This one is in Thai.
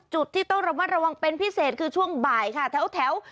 จุดที่ต้องระมัดระวังเป็นพิเศษคือช่วงบ่ายค่ะแถว